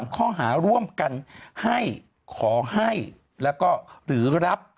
ข้อหาร่วมกันให้ขอให้แล้วก็หรือรับ